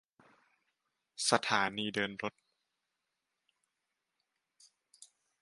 สถานีเดินรถ